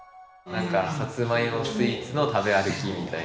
サツマイモスイーツの食べ歩きみたいな。